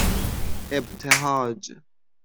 اِبتهاج